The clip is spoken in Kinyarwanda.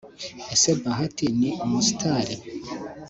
Ese Bahati ni umusitari